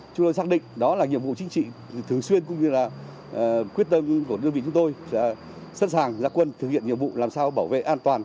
chúng tôi xác định đó là nhiệm vụ chính trị thường xuyên cũng như là quyết tâm của đơn vị chúng tôi sẵn sàng ra quân thực hiện nhiệm vụ làm sao bảo vệ an toàn